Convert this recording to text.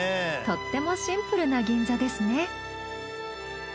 とってもシンプルな銀座ですね。